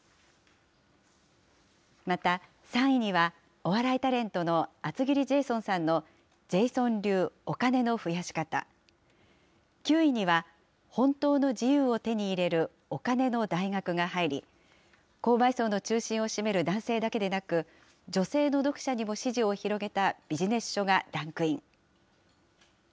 また３位には、お笑いタレントの厚切りジェイソンさんのジェイソン流お金の増やし方、９位には本当の自由を手に入れるお金の大学が入り、購買層の中心を占める男性だけでなく、女性の読者にも支持を広げたビジネス書がランクイン。